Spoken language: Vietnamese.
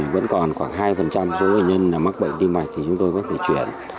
vẫn còn khoảng hai số bệnh nhân mắc bệnh tim mạch thì chúng tôi vẫn phải chuyển